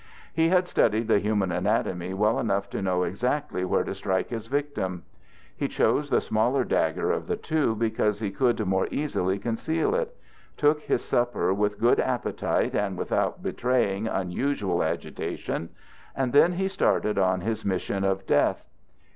He had studied the human anatomy well enough to know exactly where to strike his victim. He chose the smaller dagger of the two because he could more easily conceal it; took his supper with good appetite and without betraying unusual agitation; and then he started on his mission of death.